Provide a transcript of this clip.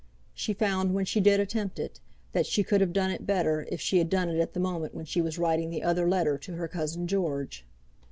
She found when she did attempt it, that she could have done it better if she had done it at the moment when she was writing the other letter to her cousin George.